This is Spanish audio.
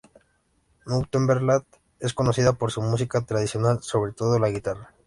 Northumberland es conocida por su música tradicional, sobre todo la gaita.